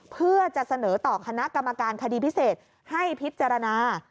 เพื่อจะเสนอต่อคณะกรรมการคดีพิเศษให้พิจารณา